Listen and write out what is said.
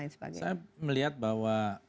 saya melihat bahwa